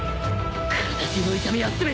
体中の痛みは全て忘れろ！